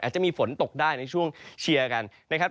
จะมีฝนตกได้ในช่วงเชียร์กันนะครับ